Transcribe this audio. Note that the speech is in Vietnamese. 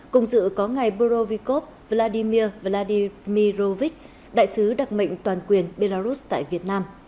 cùng dự có ngày burovikov vladimir vladimirovich đại sứ đặc mệnh toàn quyền belarus tại việt nam